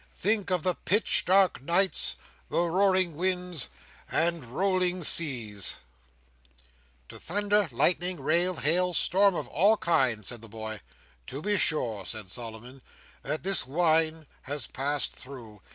Think of the pitch dark nights, the roaring winds, and rolling seas:" "The thunder, lightning, rain, hail, storm of all kinds," said the boy. "To be sure," said Solomon,—"that this wine has passed through.